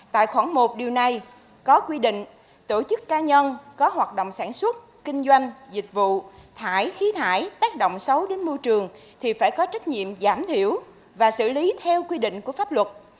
tại khoảng một điều này có quy định tổ chức ca nhân có hoạt động sản xuất kinh doanh dịch vụ thải khí thải tác động xấu đến môi trường thì phải có trách nhiệm giảm thiểu và xử lý theo quy định của pháp luật